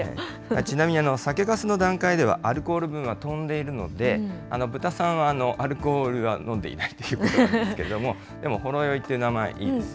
ちなみに、酒かすの段階では、アルコール分は飛んでいるので、豚さんはアルコールは飲んでいないということなんですけれども、でもほろよいって名前、いいですよね。